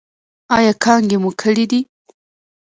ایا کانګې مو کړي دي؟